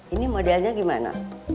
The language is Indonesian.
ini modelnya gimana